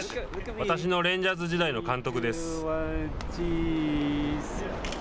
私のレンジャーズ時代の監督です。